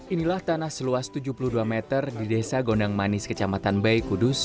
inilah tanah seluas tujuh puluh dua meter di desa gondang manis kecamatan bayi kudus